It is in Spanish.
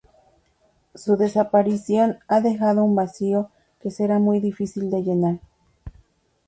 Su desaparición ha dejado un vacío que será muy difícil de llenar.